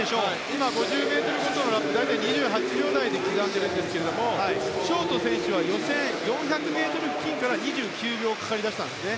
今、５０ｍのラップを大体２８秒台で刻んでますがショート選手は予選は４００ｍ付近から２９秒かかり出したんですね。